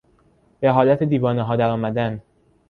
به حالت دیوانهها در آمدن